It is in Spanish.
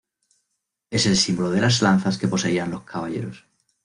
Es el símbolo de las lanzas que poseían los caballeros.